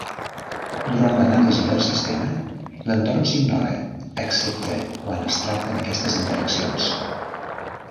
Durant l'anàlisi del sistema, l'entorn s'ignora excepte quan es tracten aquestes interaccions.